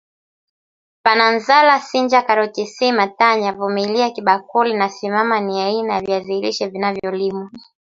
Pananzala sinja karoti C matanya vumilia kibakuli na simama ni aina ya viazi lishe vinavyolimwa